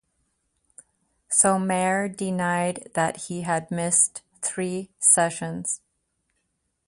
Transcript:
Somare denied that he had missed three sessions.